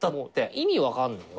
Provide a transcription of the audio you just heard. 意味分かんない。